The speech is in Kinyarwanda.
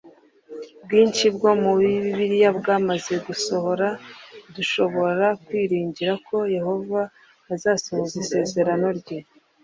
bwinshi bwo muri Bibiliya bwamaze gusohora Dushobora kwiringira ko Yehova azasohoza isezerano rye